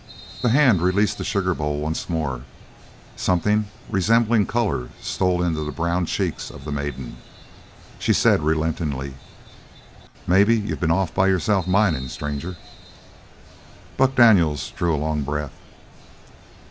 The hand released the sugar bowl once more; something resembling colour stole into the brown cheeks of the maiden. She said, relentingly: "Maybe you been off by yourse'f mining, stranger?" Buck Daniels drew a long breath.